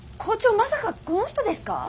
まさかこの人ですか？